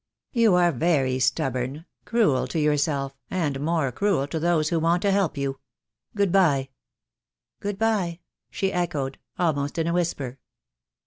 "You are very stubborn, cruel to yourself, and more cruel to those who want to help you. Good bye." "Good bye," she echoed, almost in a whisper.